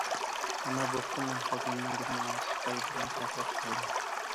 ئەمما بۇ قېتىم مەن خوتۇنۇمنىڭ گېپىنى ئاڭلاپ باقاي دېگەن تەسىراتقا كەلدىم.